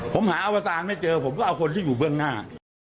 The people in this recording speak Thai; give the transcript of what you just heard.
ผมหาอวตารไม่เจอผมก็เอาคนที่อยู่เบื้องหน้า